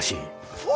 フォ！